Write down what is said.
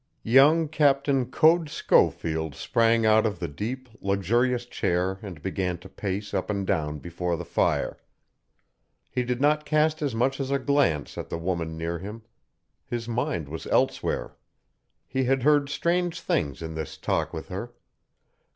Young Captain Code Schofield sprang out of the deep, luxurious chair and began to pace up and down before the fire. He did not cast as much as a glance at the woman near him. His mind was elsewhere. He had heard strange things in this talk with her.